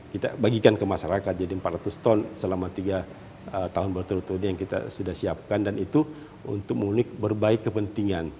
kita bagikan ke masyarakat jadi empat ratus ton selama tiga tahun berturut turut yang kita sudah siapkan dan itu untuk munik berbaik kepentingan